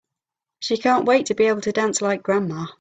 She can't wait to be able to dance like grandma!